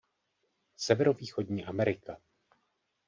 Severovýchodní Amerika.